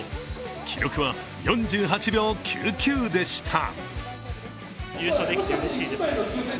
記録は４８秒９９でした。